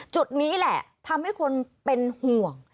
จุดนี้แหละทำให้คนเป็นห่วง